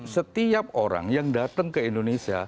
setiap orang yang datang ke indonesia